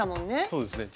そうですね。